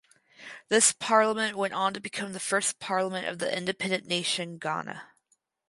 This parliament went on to become the first parliament of the independent nation Ghana.